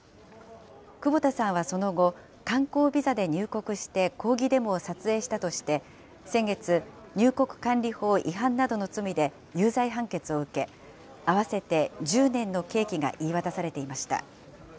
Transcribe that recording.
久保田さんはその後、観光ビザで入国して抗議デモを撮影したとして、先月、入国管理法違反などの罪で有罪判決を受け、合わせて１０年の刑期が言い渡されていました。